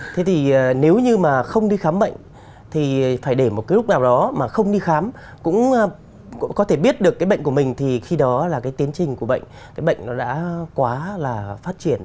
thế thì nếu như mà không đi khám bệnh thì phải để một cái lúc nào đó mà không đi khám cũng có thể biết được cái bệnh của mình thì khi đó là cái tiến trình của bệnh cái bệnh nó đã quá là phát triển